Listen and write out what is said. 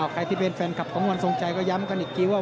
ใครที่เป็นแฟนคลับของวันทรงชัยก็ย้ำกันอีกทีว่า